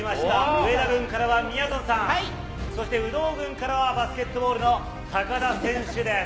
上田軍からはみやぞんさん、そして有働軍からは、バスケットボールの高田選手です。